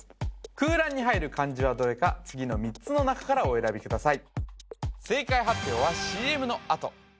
空欄に入る漢字はどれか次の３つの中からお選びください